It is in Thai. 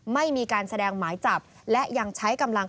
ไม่มีการแสดงหมายจับและยังใช้กำลัง